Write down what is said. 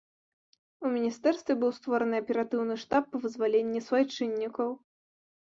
У міністэрстве быў створаны аператыўны штаб па вызваленні суайчыннікаў.